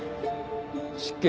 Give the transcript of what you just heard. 失敬。